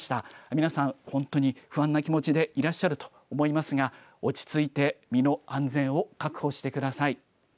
皆さん、本当に不安な気持ちでいらっしゃると思いますが落ち着いて身の安全を確保してください。